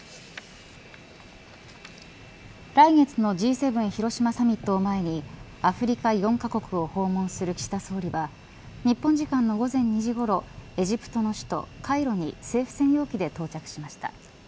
来月のＧ７広島サミットを前にアフリカ４カ国を訪問する岸田総理は日本時間の午前２時ごろエジプトの首都、カイロに政府専用機で到着しました。